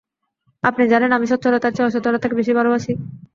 আপনি জানেন, আমি সচ্ছলতার চেয়ে অসচ্ছলতাকে বেশী ভালবাসি।